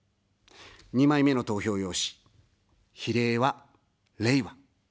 ２枚目の投票用紙、比例は、れいわ。